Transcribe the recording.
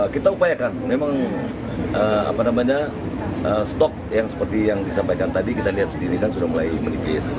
kita upayakan memang stok yang seperti yang disampaikan tadi kita lihat sendiri kan sudah mulai menipis